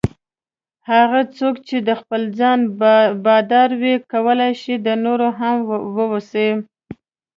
هغه څوک چې د خپل ځان بادار وي کولای شي د نورو هم واوسي.